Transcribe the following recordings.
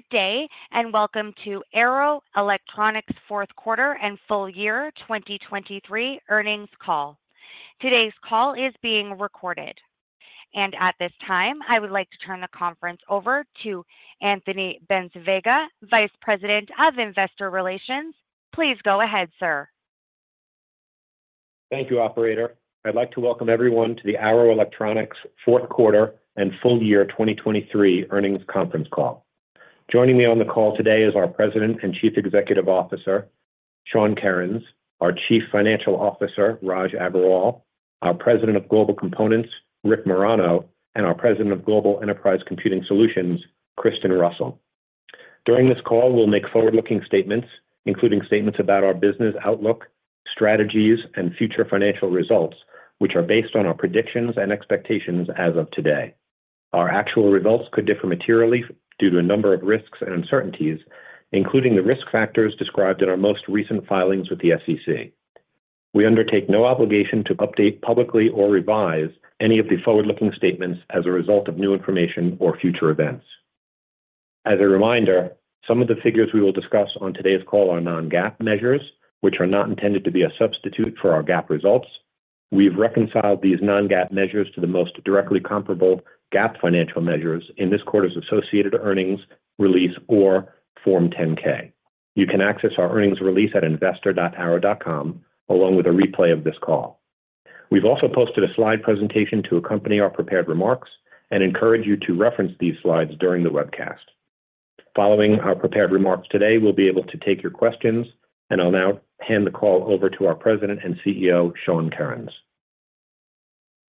Good day and welcome to Arrow Electronics' fourth quarter and full year 2023 earnings call. Today's call is being recorded, and at this time I would like to turn the conference over to Anthony Bencivenga, Vice President of Investor Relations. Please go ahead, sir. Thank you, Operator. I'd like to welcome everyone to the Arrow Electronics' fourth quarter and full year 2023 earnings conference call. Joining me on the call today is our President and Chief Executive Officer, Sean Kerins, our Chief Financial Officer, Raj Agrawal, our President of Global Components, Rick Marano, and our President of Global Enterprise Computing Solutions, Kristin Russell. During this call we'll make forward-looking statements, including statements about our business outlook, strategies, and future financial results, which are based on our predictions and expectations as of today. Our actual results could differ materially due to a number of risks and uncertainties, including the risk factors described in our most recent filings with the SEC. We undertake no obligation to update publicly or revise any of the forward-looking statements as a result of new information or future events. As a reminder, some of the figures we will discuss on today's call are non-GAAP measures, which are not intended to be a substitute for our GAAP results. We've reconciled these non-GAAP measures to the most directly comparable GAAP financial measures in this quarter's Associated Earnings Release or Form 10-K. You can access our earnings release at investor.arrow.com along with a replay of this call. We've also posted a slide presentation to accompany our prepared remarks and encourage you to reference these slides during the webcast. Following our prepared remarks today we'll be able to take your questions, and I'll now hand the call over to our President and CEO, Sean Kerins.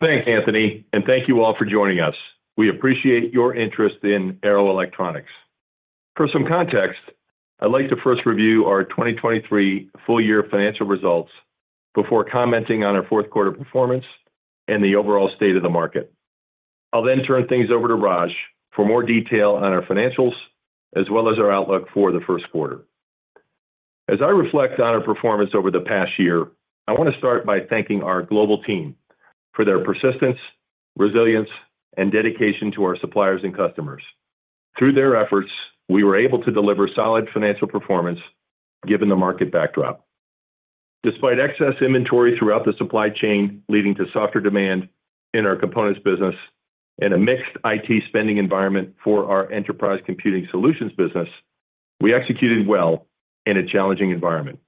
Thanks Anthony, and thank you all for joining us. We appreciate your interest in Arrow Electronics. For some context, I'd like to first review our 2023 full year financial results before commenting on our fourth quarter performance and the overall state of the market. I'll then turn things over to Raj for more detail on our financials as well as our outlook for the first quarter. As I reflect on our performance over the past year, I want to start by thanking our global team for their persistence, resilience, and dedication to our suppliers and customers. Through their efforts we were able to deliver solid financial performance given the market backdrop. Despite excess inventory throughout the supply chain leading to softer demand in our components business and a mixed IT spending environment for our enterprise computing solutions business, we executed well in a challenging environment.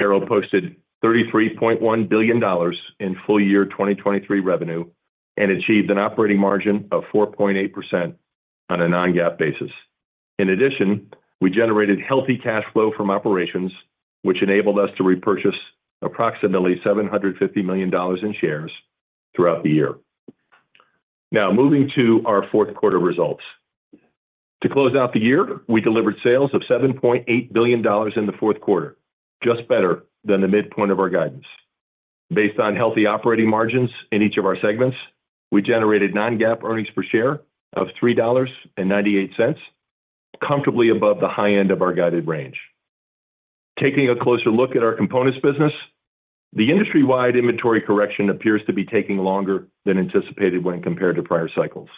Arrow posted $33.1 billion in full year 2023 revenue and achieved an operating margin of 4.8% on a Non-GAAP basis. In addition, we generated healthy cash flow from operations, which enabled us to repurchase approximately $750 million in shares throughout the year. Now moving to our fourth quarter results. To close out the year we delivered sales of $7.8 billion in the fourth quarter, just better than the midpoint of our guidance. Based on healthy operating margins in each of our segments we generated Non-GAAP earnings per share of $3.98, comfortably above the high end of our guided range. Taking a closer look at our components business, the industry-wide inventory correction appears to be taking longer than anticipated when compared to prior cycles.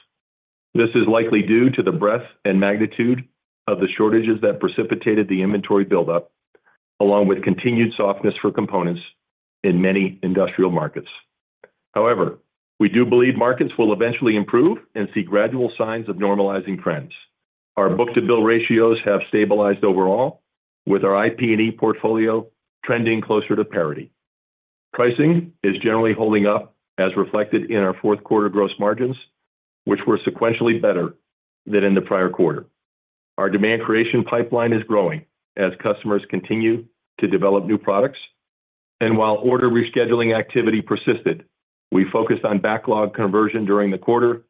This is likely due to the breadth and magnitude of the shortages that precipitated the inventory buildup, along with continued softness for components in many industrial markets. However, we do believe markets will eventually improve and see gradual signs of normalizing trends. Our book-to-bill ratios have stabilized overall, with our IP&E portfolio trending closer to parity. Pricing is generally holding up as reflected in our fourth quarter gross margins, which were sequentially better than in the prior quarter. Our demand creation pipeline is growing as customers continue to develop new products, and while order rescheduling activity persisted, we focused on backlog conversion during the quarter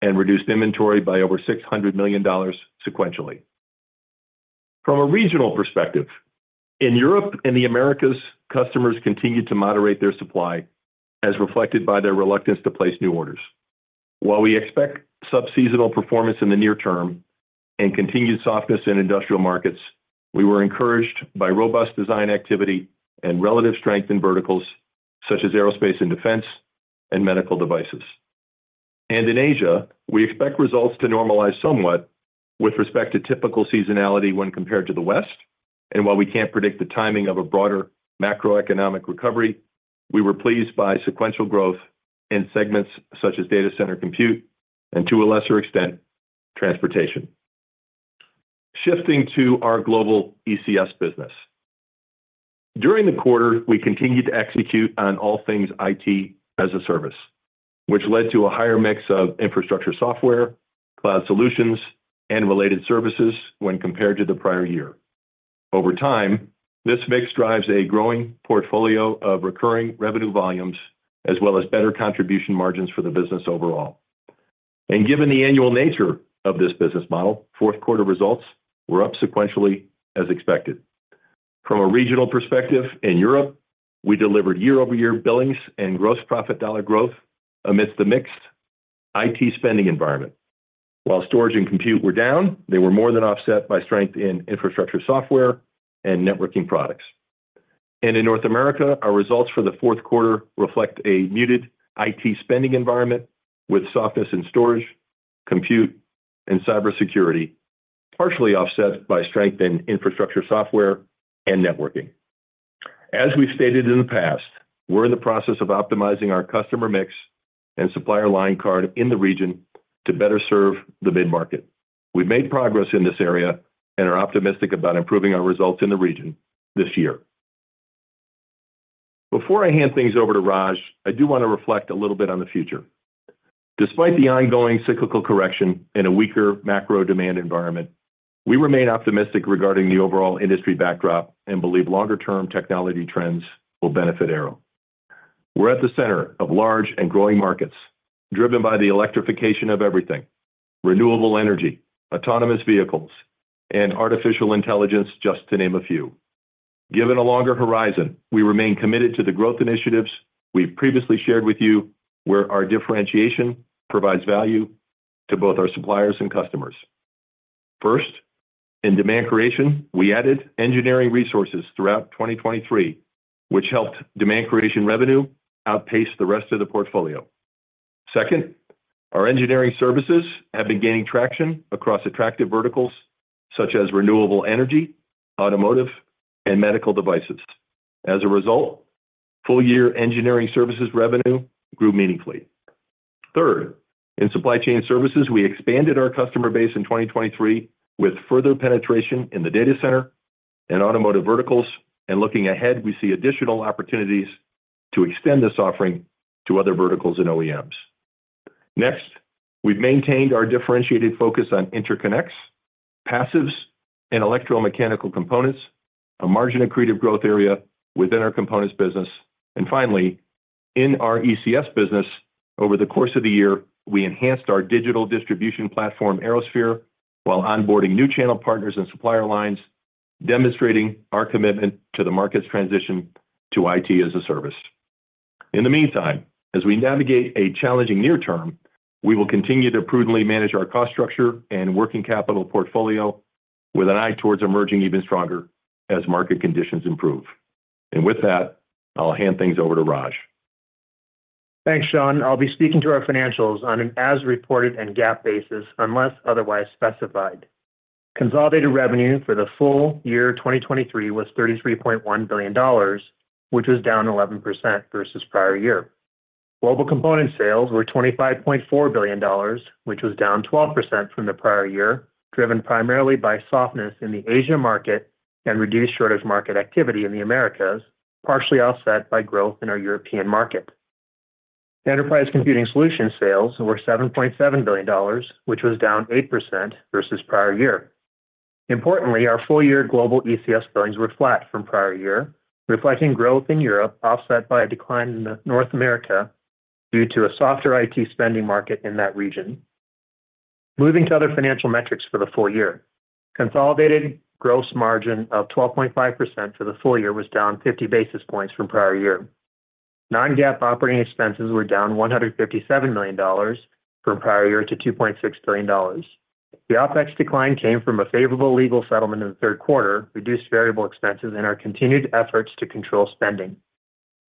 and reduced inventory by over $600 million sequentially. From a regional perspective, in Europe and the Americas customers continue to moderate their supply as reflected by their reluctance to place new orders. While we expect sub seasonal performance in the near term and continued softness in industrial markets, we were encouraged by robust design activity and relative strength in verticals such as aerospace and defense and medical devices. In Asia we expect results to normalize somewhat with respect to typical seasonality when compared to the West, and while we can't predict the timing of a broader macroeconomic recovery we were pleased by sequential growth in segments such as data center compute and to a lesser extent transportation. Shifting to our global ECS business. During the quarter we continued to execute on all things IT as a service, which led to a higher mix of infrastructure software, cloud solutions, and related services when compared to the prior year. Over time this mix drives a growing portfolio of recurring revenue volumes as well as better contribution margins for the business overall. Given the annual nature of this business model fourth quarter results were up sequentially as expected. From a regional perspective in Europe we delivered year-over-year billings and gross profit dollar growth amidst the mixed IT spending environment. While storage and compute were down, they were more than offset by strength in infrastructure software and networking products. In North America, our results for the fourth quarter reflect a muted IT spending environment with softness in storage, compute, and cybersecurity partially offset by strength in infrastructure software and networking. As we've stated in the past, we're in the process of optimizing our customer mix and supplier line card in the region to better serve the mid-market. We've made progress in this area and are optimistic about improving our results in the region this year. Before I hand things over to Raj, I do want to reflect a little bit on the future. Despite the ongoing cyclical correction in a weaker macro demand environment, we remain optimistic regarding the overall industry backdrop and believe longer-term technology trends will benefit Arrow. We're at the center of large and growing markets driven by the electrification of everything: renewable energy, autonomous vehicles, and artificial intelligence just to name a few. Given a longer horizon we remain committed to the growth initiatives we've previously shared with you where our differentiation provides value to both our suppliers and customers. First, in demand creation we added engineering resources throughout 2023 which helped demand creation revenue outpace the rest of the portfolio. Second, our engineering services have been gaining traction across attractive verticals such as renewable energy, automotive, and medical devices. As a result full year engineering services revenue grew meaningfully. Third, in supply chain services we expanded our customer base in 2023 with further penetration in the data center and automotive verticals, and looking ahead we see additional opportunities to extend this offering to other verticals and OEMs. Next, we've maintained our differentiated focus on interconnects, passives, and electromechanical components, a margin-accretive growth area within our components business, and finally in our ECS business over the course of the year we enhanced our digital distribution platform ArrowSphere while onboarding new channel partners and supplier lines, demonstrating our commitment to the market's transition to IT as a service. In the meantime, as we navigate a challenging near-term, we will continue to prudently manage our cost structure and working capital portfolio with an eye towards emerging even stronger as market conditions improve. With that I'll hand things over to Raj. Thanks, Sean. I'll be speaking to our financials on an as-reported and GAAP basis unless otherwise specified. Consolidated revenue for the full year 2023 was $33.1 billion, which was down 11% versus prior year. Global Components sales were $25.4 billion, which was down 12% from the prior year driven primarily by softness in the Asia market and reduced shortage market activity in the Americas, partially offset by growth in our European market. Enterprise Computing Solutions sales were $7.7 billion, which was down 8% versus prior year. Importantly our full year global ECS billings were flat from prior year reflecting growth in Europe offset by a decline in North America due to a softer IT spending market in that region. Moving to other financial metrics for the full year. Consolidated gross margin of 12.5% for the full year was down 50 basis points from prior year. Non-GAAP operating expenses were down $157 million from prior year to $2.6 billion. The OPEX decline came from a favorable legal settlement in the third quarter, reduced variable expenses and our continued efforts to control spending.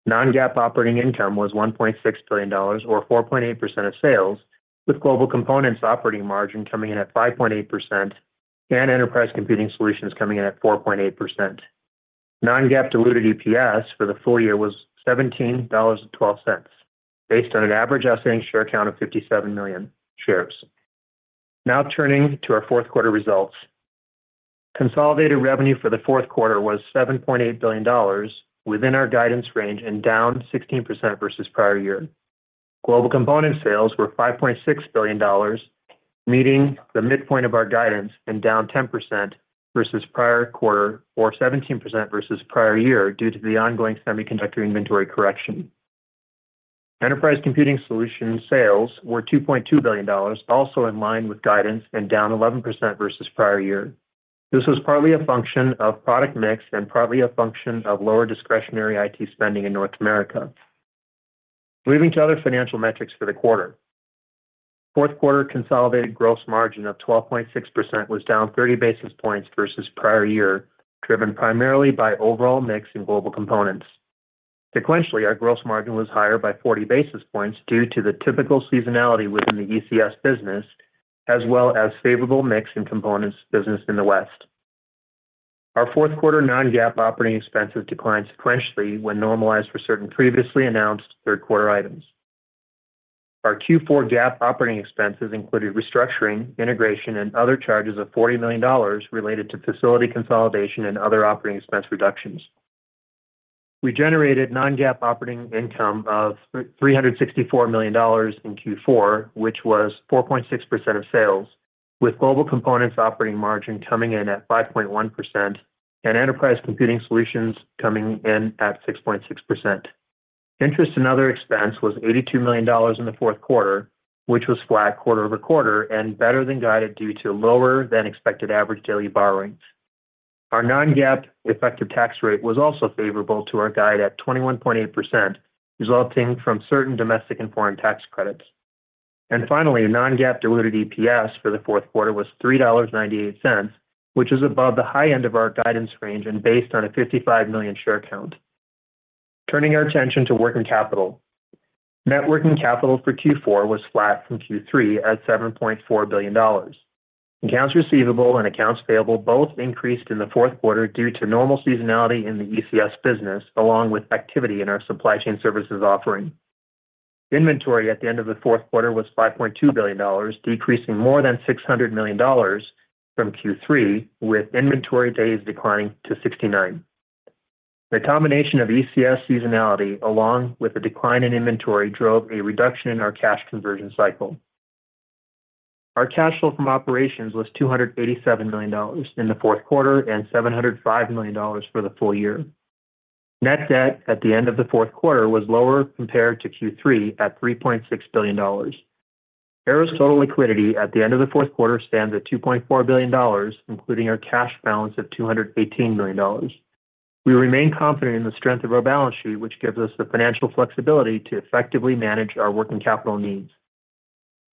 Non-GAAP operating income was $1.6 billion or 4.8% of sales with Global Components operating margin coming in at 5.8% and Enterprise Computing Solutions coming in at 4.8%. Non-GAAP diluted EPS for the full year was $17.12 based on an average outstanding share count of 57 million shares. Now turning to our fourth quarter results. Consolidated revenue for the fourth quarter was $7.8 billion within our guidance range and down 16% versus prior year. Global Components sales were $5.6 billion meeting the midpoint of our guidance and down 10% versus prior quarter or 17% versus prior year due to the ongoing semiconductor inventory correction. Enterprise Computing Solutions sales were $2.2 billion, also in line with guidance and down 11% versus prior year. This was partly a function of product mix and partly a function of lower discretionary IT spending in North America. Moving to other financial metrics for the quarter. Fourth quarter consolidated gross margin of 12.6% was down 30 basis points versus prior year driven primarily by overall mix and Global Components. Sequentially our gross margin was higher by 40 basis points due to the typical seasonality within the ECS business as well as favorable mix and Components business in the West. Our fourth quarter non-GAAP operating expenses declined sequentially when normalized for certain previously announced third quarter items. Our Q4 GAAP operating expenses included restructuring, integration, and other charges of $40 million related to facility consolidation and other operating expense reductions. We generated non-GAAP operating income of $364 million in Q4, which was 4.6% of sales, with Global Components operating margin coming in at 5.1% and Enterprise Computing Solutions coming in at 6.6%. Interest and other expense was $82 million in the fourth quarter, which was flat quarter-over-quarter and better than guided due to lower than expected average daily borrowings. Our non-GAAP effective tax rate was also favorable to our guide at 21.8%, resulting from certain domestic and foreign tax credits. And finally, non-GAAP diluted EPS for the fourth quarter was $3.98, which is above the high end of our guidance range and based on a 55 million share count. Turning our attention to working capital. Net working capital for Q4 was flat from Q3 at $7.4 billion. Accounts receivable and accounts payable both increased in the fourth quarter due to normal seasonality in the ECS business along with activity in our supply chain services offering. Inventory at the end of the fourth quarter was $5.2 billion, decreasing more than $600 million from Q3, with inventory days declining to 69. The combination of ECS seasonality along with a decline in inventory drove a reduction in our cash conversion cycle. Our cash flow from operations was $287 million in the fourth quarter and $705 million for the full year. Net debt at the end of the fourth quarter was lower compared to Q3 at $3.6 billion. Arrow's total liquidity at the end of the fourth quarter stands at $2.4 billion, including our cash balance of $218 million. We remain confident in the strength of our balance sheet which gives us the financial flexibility to effectively manage our working capital needs.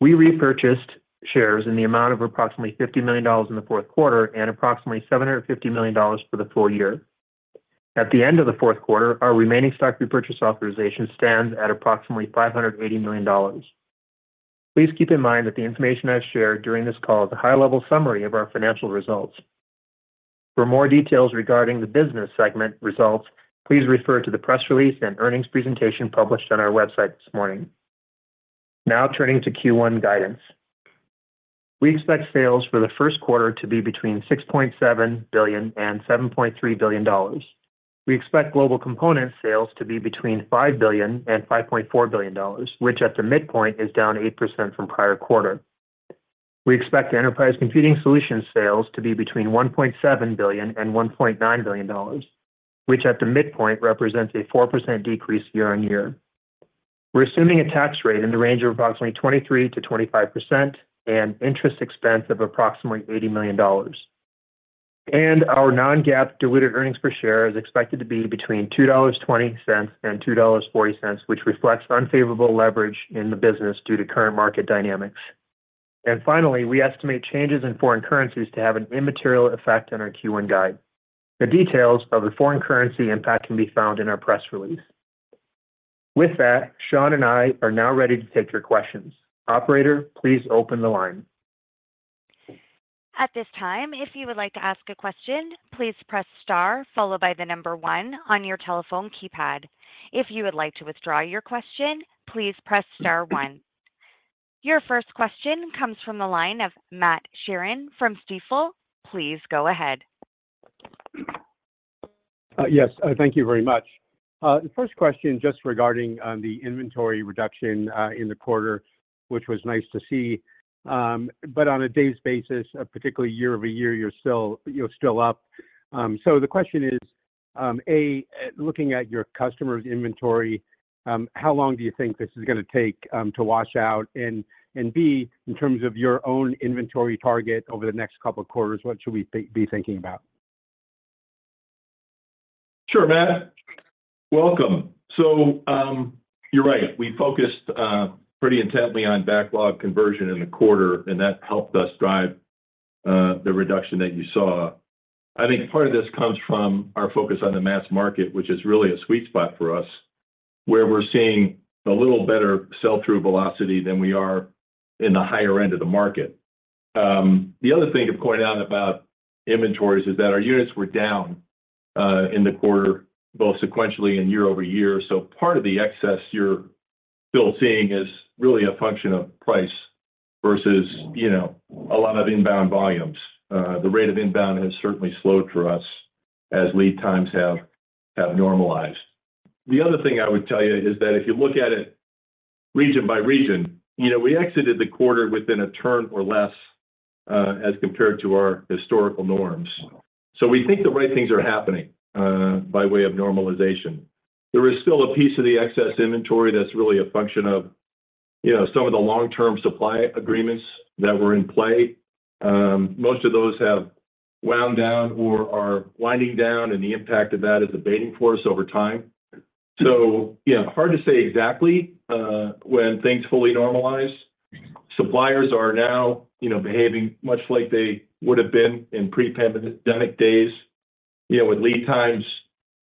We repurchased shares in the amount of approximately $50 million in the fourth quarter and approximately $750 million for the full year. At the end of the fourth quarter our remaining stock repurchase authorization stands at approximately $580 million. Please keep in mind that the information I've shared during this call is a high-level summary of our financial results. For more details regarding the business segment results please refer to the press release and earnings presentation published on our website this morning. Now turning to Q1 guidance. We expect sales for the first quarter to be between $6.7 billion and $7.3 billion. We expect Global Components sales to be between $5 billion and $5.4 billion which at the midpoint is down 8% from prior quarter. We expect enterprise computing solutions sales to be between $1.7 billion-$1.9 billion which at the midpoint represents a 4% decrease year-on-year. We're assuming a tax rate in the range of approximately 23%-25% and interest expense of approximately $80 million. Our non-GAAP diluted earnings per share is expected to be between $2.20-$2.40 which reflects unfavorable leverage in the business due to current market dynamics. Finally we estimate changes in foreign currencies to have an immaterial effect on our Q1 guide. The details of the foreign currency impact can be found in our press release. With that Sean and I are now ready to take your questions. Operator please open the line. At this time, if you would like to ask a question, please press star followed by the number one on your telephone keypad. If you would like to withdraw your question, please press star one. Your first question comes from the line of Matt Sheerin from Stifel. Please go ahead. Yes. Thank you very much. The first question just regarding the inventory reduction in the quarter which was nice to see but on a day's basis particularly year-over-year you're still up. So the question is A, looking at your customers' inventory how long do you think this is going to take to wash out and B, in terms of your own inventory target over the next couple of quarters what should we be thinking about? Sure, Matt. Welcome. So you're right we focused pretty intently on backlog conversion in the quarter and that helped us drive the reduction that you saw. I think part of this comes from our focus on the mass market which is really a sweet spot for us where we're seeing a little better sell-through velocity than we are in the higher end of the market. The other thing of pointing out about inventories is that our units were down in the quarter both sequentially and year-over-year so part of the excess you're still seeing is really a function of price versus a lot of inbound volumes. The rate of inbound has certainly slowed for us as lead times have normalized. The other thing I would tell you is that if you look at it region by region we exited the quarter within a turn or less as compared to our historical norms. So we think the right things are happening by way of normalization. There is still a piece of the excess inventory that's really a function of some of the long-term supply agreements that were in play. Most of those have wound down or are winding down and the impact of that is abating for us over time. So hard to say exactly when things fully normalize. Suppliers are now behaving much like they would have been in pre-pandemic days with lead times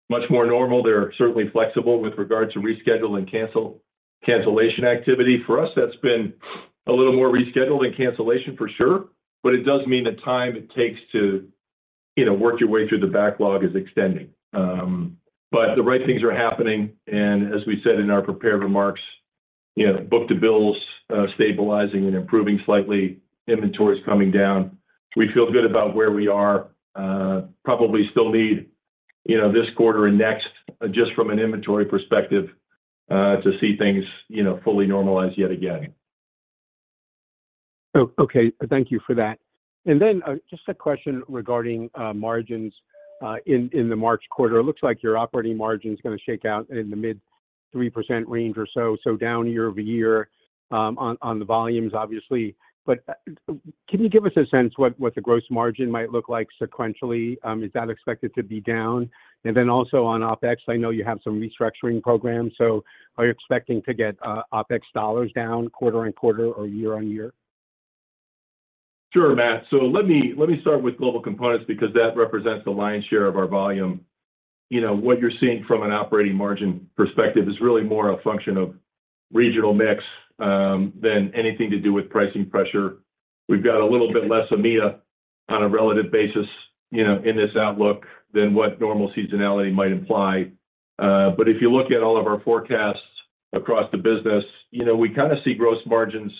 much more normal. They're certainly flexible with regards to reschedule and cancellation activity. For us that's been a little more reschedule than cancellation for sure but it does mean the time it takes to work your way through the backlog is extending. But the right things are happening and as we said in our prepared remarks book-to-bill stabilizing and improving slightly inventories coming down. We feel good about where we are. Probably still need this quarter and next just from an inventory perspective to see things fully normalize yet again. Okay, thank you for that. And then just a question regarding margins in the March quarter. It looks like your operating margin's going to shake out in the mid 3% range or so, so down year-over-year on the volumes obviously. But can you give us a sense what the gross margin might look like sequentially? Is that expected to be down? And then also on OPEX, I know you have some restructuring programs, so are you expecting to get OPEX dollars down quarter-over-quarter or year-over-year? Sure, Matt. Let me start with Global Components because that represents the lion's share of our volume. What you're seeing from an operating margin perspective is really more a function of regional mix than anything to do with pricing pressure. We've got a little bit less EMEA on a relative basis in this outlook than what normal seasonality might imply. But if you look at all of our forecasts across the business we kind of see gross margins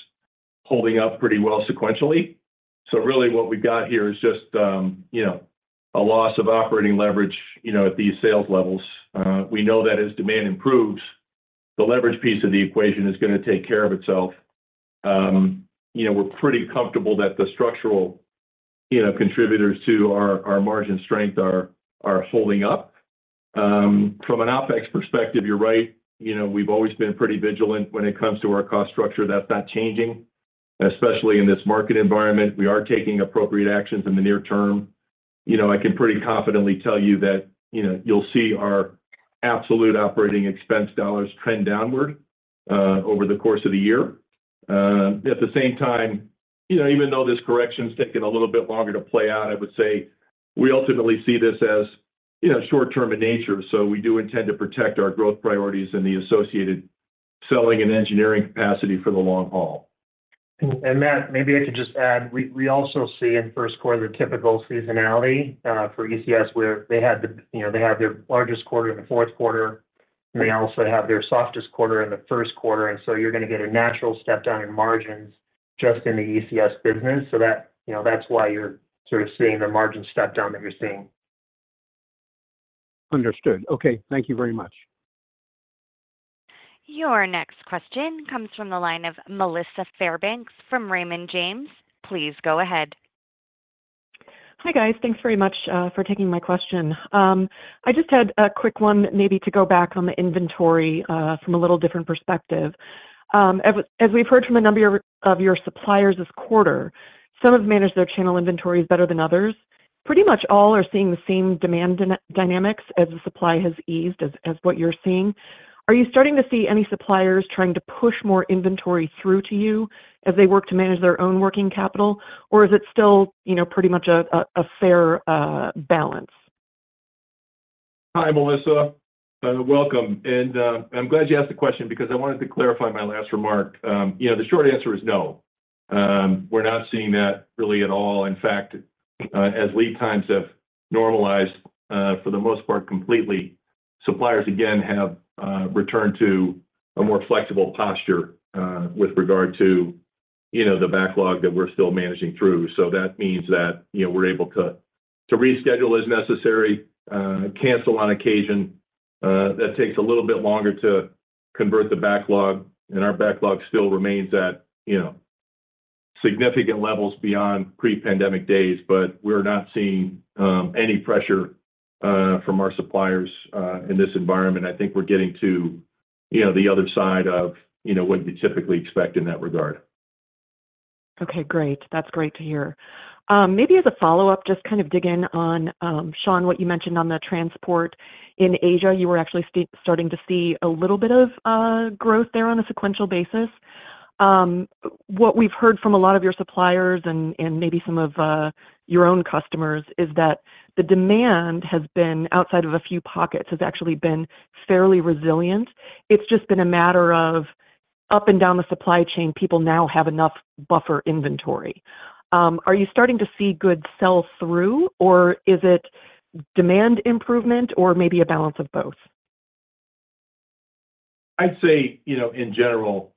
holding up pretty well sequentially. Really what we've got here is just a loss of operating leverage at these sales levels. We know that as demand improves the leverage piece of the equation is going to take care of itself. We're pretty comfortable that the structural contributors to our margin strength are holding up. From an OPEX perspective, you're right. We've always been pretty vigilant when it comes to our cost structure. That's not changing, especially in this market environment. We are taking appropriate actions in the near term. I can pretty confidently tell you that you'll see our absolute operating expense dollars trend downward over the course of the year. At the same time, even though this correction's taken a little bit longer to play out, I would say we ultimately see this as short-term in nature, so we do intend to protect our growth priorities and the associated selling and engineering capacity for the long haul. Matt, maybe I could just add we also see in first quarter typical seasonality for ECS where they had their largest quarter in the fourth quarter and they also have their softest quarter in the first quarter and so you're going to get a natural step down in margins just in the ECS business. So that's why you're sort of seeing the margin step down that you're seeing. Understood. Okay. Thank you very much. Your next question comes from the line of Melissa Fairbanks from Raymond James. Please go ahead. Hi guys. Thanks very much for taking my question. I just had a quick one maybe to go back on the inventory from a little different perspective. As we've heard from a number of your suppliers this quarter some have managed their channel inventories better than others. Pretty much all are seeing the same demand dynamics as the supply has eased as what you're seeing. Are you starting to see any suppliers trying to push more inventory through to you as they work to manage their own working capital or is it still pretty much a fair balance? Hi Melissa, welcome. I'm glad you asked the question because I wanted to clarify my last remark. The short answer is no. We're not seeing that really at all. In fact, as lead times have normalized for the most part, completely, suppliers again have returned to a more flexible posture with regard to the backlog that we're still managing through. So that means that we're able to reschedule as necessary, cancel on occasion. That takes a little bit longer to convert the backlog, and our backlog still remains at significant levels beyond pre-pandemic days, but we're not seeing any pressure from our suppliers in this environment. I think we're getting to the other side of what you typically expect in that regard. Okay. Great. That's great to hear. Maybe as a follow-up, just kind of dig in on, Sean, what you mentioned on the transport in Asia. You were actually starting to see a little bit of growth there on a sequential basis. What we've heard from a lot of your suppliers and maybe some of your own customers is that the demand has been, outside of a few pockets, has actually been fairly resilient. It's just been a matter of, up and down the supply chain, people now have enough buffer inventory. Are you starting to see goods sell through or is it demand improvement or maybe a balance of both?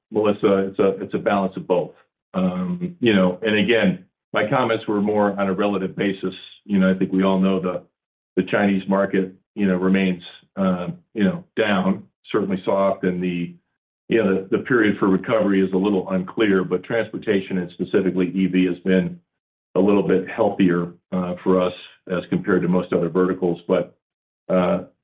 I'd say in general, Melissa, it's a balance of both. And again, my comments were more on a relative basis. I think we all know the Chinese market remains down, certainly soft, and the period for recovery is a little unclear, but transportation and specifically EV has been a little bit healthier for us as compared to most other verticals. But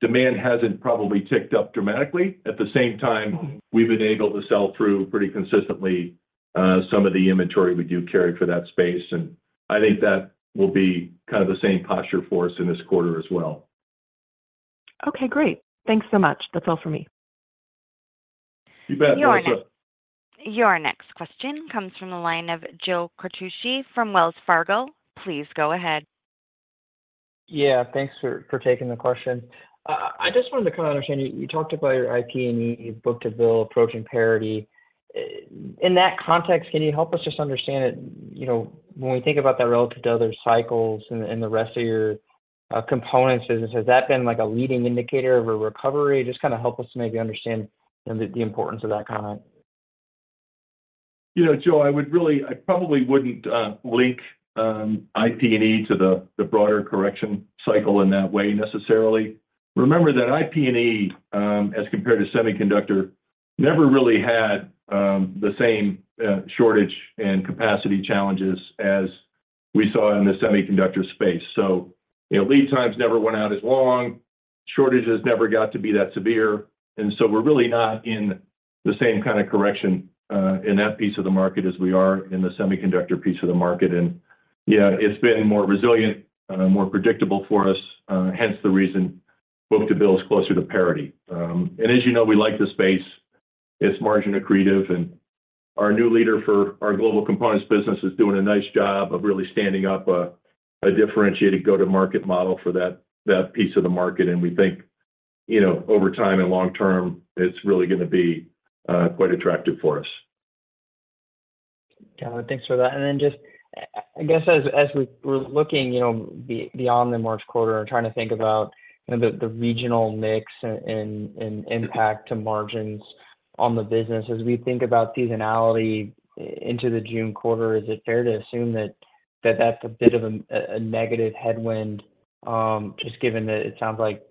demand hasn't probably ticked up dramatically. At the same time, we've been able to sell through pretty consistently some of the inventory we do carry for that space, and I think that will be kind of the same posture for us in this quarter as well. Okay. Great. Thanks so much. That's all from me. You bet. Melissa. Your next question comes from the line of Joe Quatrochi from Wells Fargo. Please go ahead. Yeah. Thanks for taking the question. I just wanted to kind of understand you talked about your IP&E book-to-bill approaching parity. In that context, can you help us just understand it when we think about that relative to other cycles and the rest of your components business? Has that been a leading indicator of a recovery? Just kind of help us maybe understand the importance of that comment. Joe, I would really, I probably wouldn't link IP&E to the broader correction cycle in that way necessarily. Remember that IP&E as compared to semiconductor never really had the same shortage and capacity challenges as we saw in the semiconductor space. So lead times never went out as long. Shortages never got to be that severe. And so we're really not in the same kind of correction in that piece of the market as we are in the semiconductor piece of the market. And it's been more resilient, more predictable for us hence the reason book-to-bill is closer to parity. And as you know we like the space. It's margin accretive, and our new leader for our Global Components business is doing a nice job of really standing up a differentiated go-to-market model for that piece of the market, and we think over time and long term it's really going to be quite attractive for us. Got it. Thanks for that. Then just, I guess, as we're looking beyond the March quarter and trying to think about the regional mix and impact to margins on the business as we think about seasonality into the June quarter, is it fair to assume that that's a bit of a negative headwind just given that it sounds like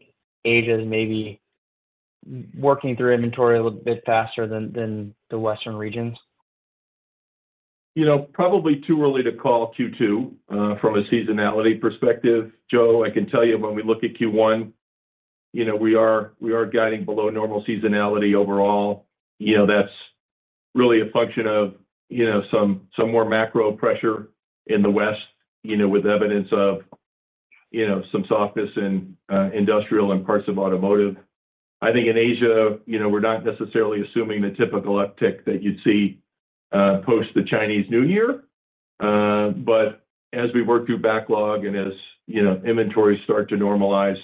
Asia's maybe working through inventory a little bit faster than the western regions? Probably too early to call Q2 from a seasonality perspective. Joe, I can tell you when we look at Q1 we are guiding below normal seasonality overall. That's really a function of some more macro pressure in the west with evidence of some softness in industrial and parts of automotive. I think in Asia we're not necessarily assuming the typical uptick that you'd see post the Chinese New Year, but as we work through backlog and as inventories start to normalize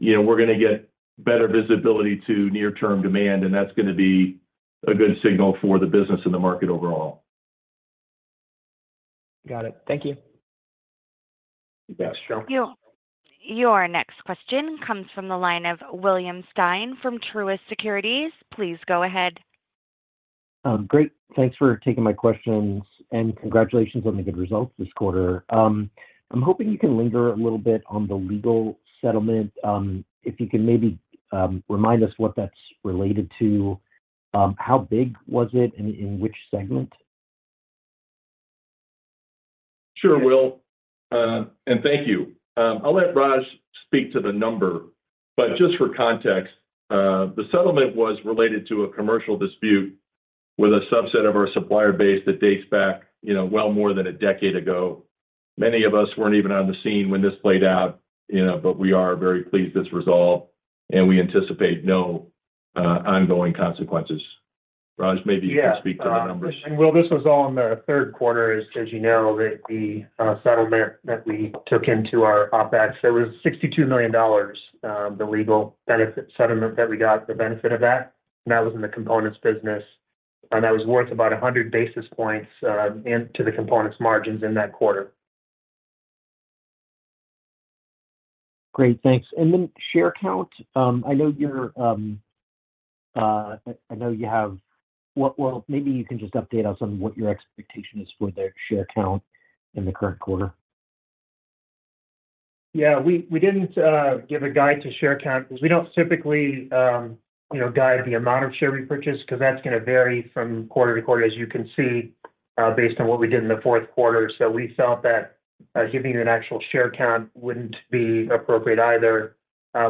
we're going to get better visibility to near-term demand and that's going to be a good signal for the business and the market overall. Got it. Thank you. You bet. Thank you. Your next question comes from the line of William Stein from Truist Securities. Please go ahead. Great. Thanks for taking my questions and congratulations on the good results this quarter. I'm hoping you can linger a little bit on the legal settlement. If you can maybe remind us what that's related to? How big was it and in which segment? Sure Will. Thank you. I'll let Raj speak to the number, but just for context, the settlement was related to a commercial dispute with a subset of our supplier base that dates back well more than a decade ago. Many of us weren't even on the scene when this played out, but we are very pleased it's resolved and we anticipate no ongoing consequences. Raj, maybe you can speak to the numbers. Yeah. Will, this was all in the third quarter as you know. The settlement that we took into our OPEX there was $62 million, the legal benefit settlement that we got the benefit of that. And that was in the components business and that was worth about 100 basis points into the components margins in that quarter. Great, thanks. And then share count. I know you have, well, maybe you can just update us on what your expectation is for their share count in the current quarter. Yeah. We didn't give a guide to share count because we don't typically guide the amount of share repurchase because that's going to vary from quarter to quarter as you can see based on what we did in the fourth quarter. So we felt that giving you an actual share count wouldn't be appropriate either.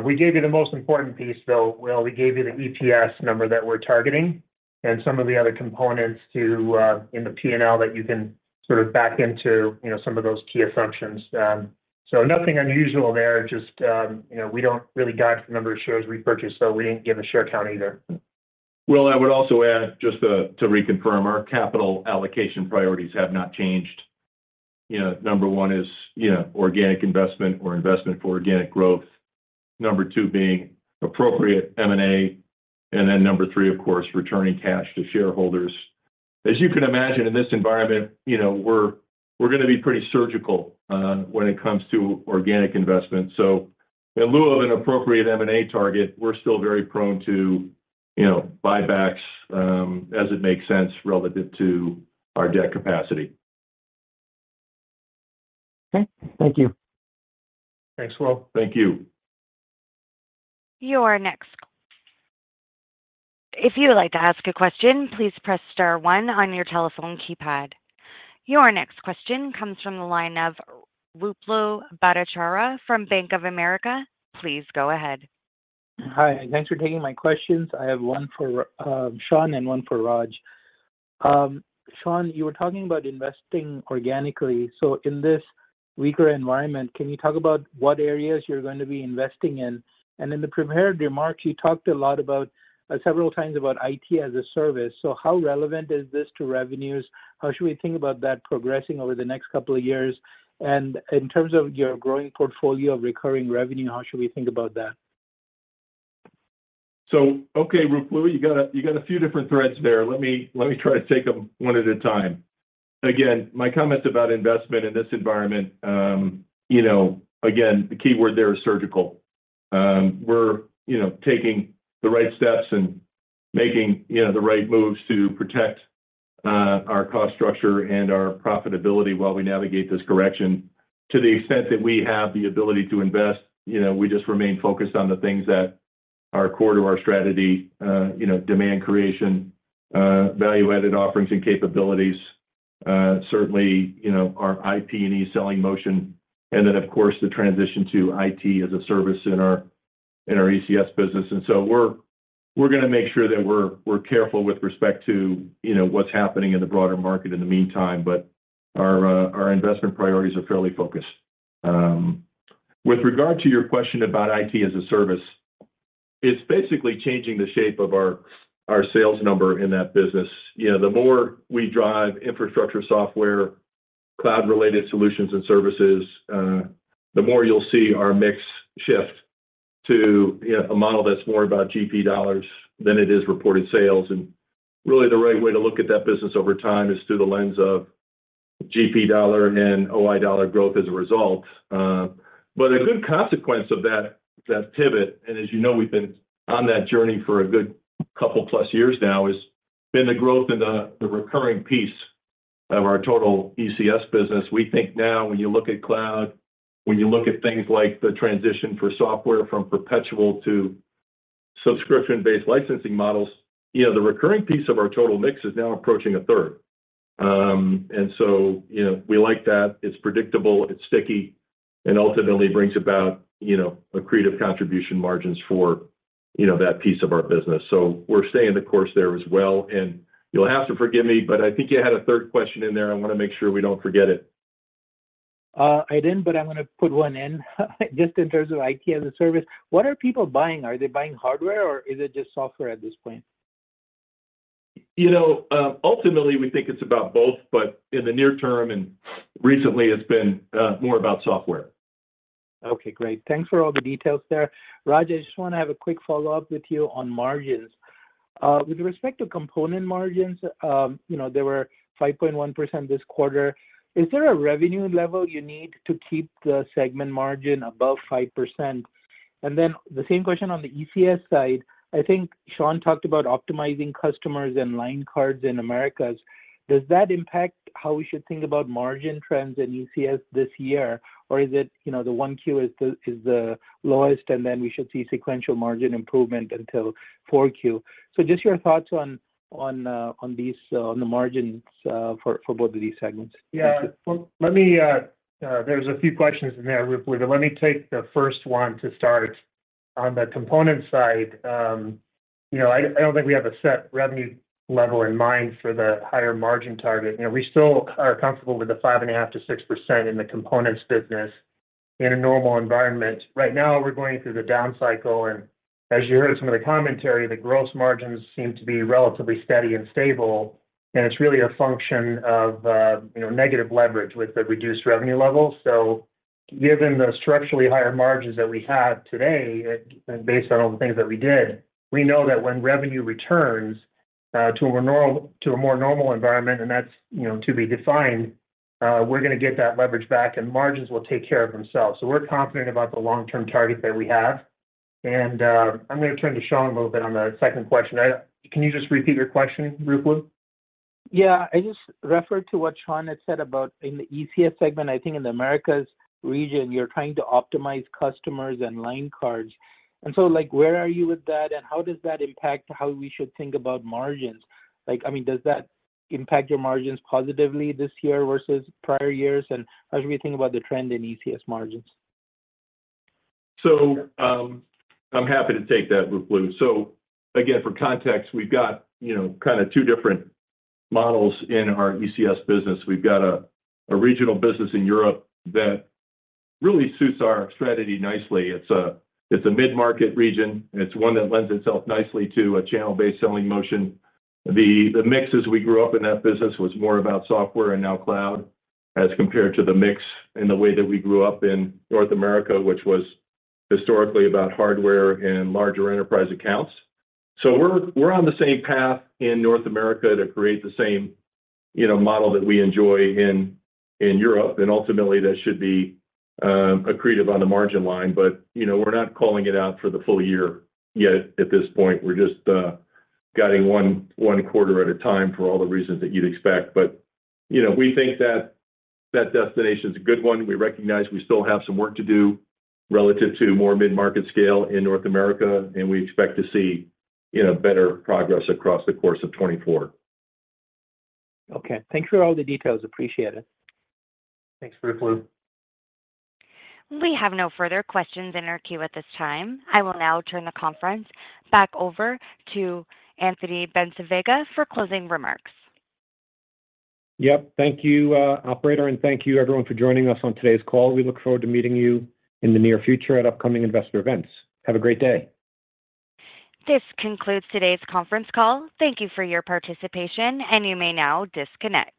We gave you the most important piece though Will. We gave you the EPS number that we're targeting and some of the other components in the P&L that you can sort of back into some of those key assumptions. So nothing unusual there. Just we don't really guide the number of shares repurchased so we didn't give a share count either. Well, I would also add just to reconfirm our capital allocation priorities have not changed. Number one is organic investment or investment for organic growth. Number two being appropriate M&A and then number three of course returning cash to shareholders. As you can imagine in this environment we're going to be pretty surgical when it comes to organic investment. So in lieu of an appropriate M&A target we're still very prone to buybacks as it makes sense relative to our debt capacity. Okay. Thank you. Thanks Will. Thank you. You're next. If you would like to ask a question, please press star one on your telephone keypad. Your next question comes from the line of Ruplu Bhattacharya from Bank of America. Please go ahead. Hi. Thanks for taking my questions. I have one for Sean and one for Raj. Sean, you were talking about investing organically. So in this weaker environment, can you talk about what areas you're going to be investing in? And in the prepared remarks, you talked a lot about several times about IT as a service. So how relevant is this to revenues? How should we think about that progressing over the next couple of years? And in terms of your growing portfolio of recurring revenue, how should we think about that? So, okay, Ruplu, you got a few different threads there. Let me try to take them one at a time. Again, my comments about investment in this environment, again, the keyword there is surgical. We're taking the right steps and making the right moves to protect our cost structure and our profitability while we navigate this correction. To the extent that we have the ability to invest, we just remain focused on the things that are core to our strategy: demand creation, value-added offerings, and capabilities. Certainly, our IP&E selling motion and then, of course, the transition to IT as a service in our ECS business. And so, we're going to make sure that we're careful with respect to what's happening in the broader market in the meantime, but our investment priorities are fairly focused. With regard to your question about IT as a service, it's basically changing the shape of our sales number in that business. The more we drive infrastructure software, cloud-related solutions and services, the more you'll see our mix shift to a model that's more about GP dollars than it is reported sales. Really the right way to look at that business over time is through the lens of GP dollar and OI dollar growth as a result. A good consequence of that pivot and as you know we've been on that journey for a good couple plus years now has been the growth in the recurring piece of our total ECS business. We think now when you look at cloud, when you look at things like the transition for software from perpetual to subscription-based licensing models the recurring piece of our total mix is now approaching a third. And so we like that. It's predictable. It's sticky and ultimately brings about accretive contribution margins for that piece of our business. So we're staying the course there as well. And you'll have to forgive me but I think you had a third question in there. I want to make sure we don't forget it. I didn't but I'm going to put one in. Just in terms of IT as a service. What are people buying? Are they buying hardware or is it just software at this point? Ultimately, we think it's about both, but in the near term and recently it's been more about software. Okay. Great. Thanks for all the details there. Raj, I just want to have a quick follow-up with you on margins. With respect to component margins, they were 5.1% this quarter. Is there a revenue level you need to keep the segment margin above 5%? And then the same question on the ECS side. I think Sean talked about optimizing customers and line cards in Americas. Does that impact how we should think about margin trends in ECS this year or is it the 1Q is the lowest and then we should see sequential margin improvement until 4Q? So just your thoughts on these on the margins for both of these segments. Yeah. There's a few questions in there, Ruplu. But let me take the first one to start. On the components side, I don't think we have a set revenue level in mind for the higher margin target. We still are comfortable with the 5.5%-6% in the components business in a normal environment. Right now we're going through the down cycle and as you heard some of the commentary the gross margins seem to be relatively steady and stable and it's really a function of negative leverage with the reduced revenue level. So given the structurally higher margins that we have today based on all the things that we did we know that when revenue returns to a more normal environment and that's to be defined we're going to get that leverage back and margins will take care of themselves. So we're confident about the long-term target that we have. And I'm going to turn to Sean a little bit on the second question. Can you just repeat your question Ruplu? Yeah. I just referred to what Sean had said about, in the ECS segment, I think, in the Americas region you're trying to optimize customers and line cards. And so where are you with that and how does that impact how we should think about margins? I mean, does that impact your margins positively this year versus prior years and how should we think about the trend in ECS margins? So I'm happy to take that, Ruplu. So again, for context, we've got kind of two different models in our ECS business. We've got a regional business in Europe that really suits our strategy nicely. It's a mid-market region. It's one that lends itself nicely to a channel-based selling motion. The mix as we grew up in that business was more about software and now cloud as compared to the mix in the way that we grew up in North America, which was historically about hardware and larger enterprise accounts. So we're on the same path in North America to create the same model that we enjoy in Europe, and ultimately that should be accretive on the margin line. But we're not calling it out for the full year yet at this point. We're just guiding one quarter at a time for all the reasons that you'd expect. But we think that destination is a good one. We recognize we still have some work to do relative to more mid-market scale in North America and we expect to see better progress across the course of 2024. Okay. Thanks for all the details. Appreciate it. Thanks Ruplu. We have no further questions in our queue at this time. I will now turn the conference back over to Anthony Bencivenga for closing remarks. Yep. Thank you operator and thank you everyone for joining us on today's call. We look forward to meeting you in the near future at upcoming investor events. Have a great day. This concludes today's conference call. Thank you for your participation and you may now disconnect.